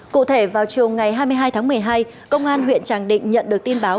cụ thể vào chiều ngày hai mươi hai tháng một mươi hai công an huyện tràng định nhận được tin báo